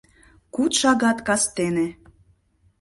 — Куд шагат кастене.